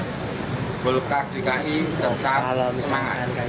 golkar dki tetap semangat